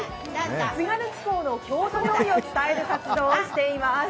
津軽地方の郷土料理を伝える活動をしています。